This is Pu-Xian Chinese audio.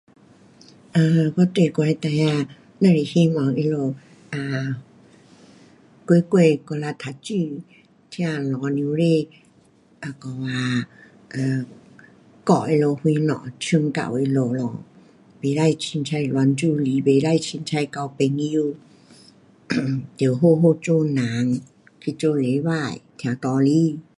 啊，我对我的孩儿只是希望他们，啊，乖乖努力读书，听老母亲那个啊，教他们什么劝告他们咯，不可随便乱乱来，不可随便交朋友， 得好好做人，去做礼拜，听道理。